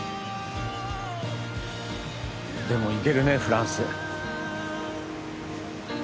でも行けるねフランス。